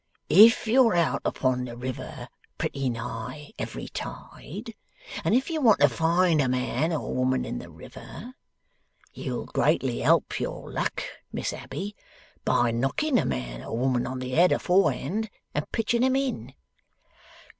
'If you're out upon the river pretty nigh every tide, and if you want to find a man or woman in the river, you'll greatly help your luck, Miss Abbey, by knocking a man or woman on the head aforehand and pitching 'em in.